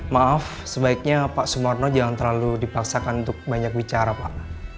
maaf sebaiknya pak sumarno jangan terlalu dipaksakan untuk banyak bicara pak